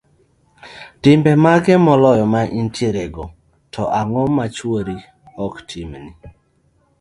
timbe mage moloyo ma intierego, to ang'o ma chuori ok timni?